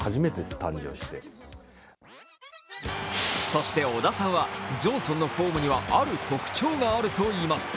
そして織田さんはジョンソンのフォームにはある特徴があるといいます。